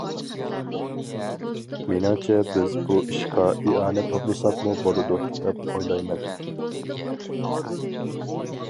مېنىڭچە بىز بۇ ئىشقا ئىئانە توپلىساقمۇ بولىدۇ دەپ ئويلايمەن.